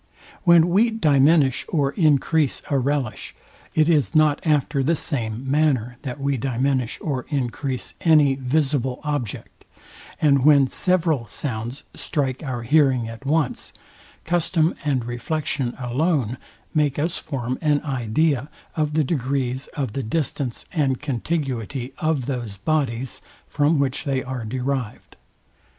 When we diminish or encrease a relish, it is not after the same manner that we diminish or encrease any visible object; and when several sounds strike our hearing at once, custom and reflection alone make us form an idea of the degrees of the distance and contiguity of those bodies, from which they are derived.